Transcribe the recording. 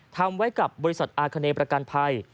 ทำไว้กับบริษัทอาคเนประกันภัย